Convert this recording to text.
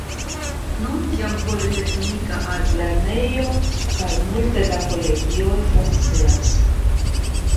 Nun jam politeknika altlernejo kaj multe da kolegioj funkcias.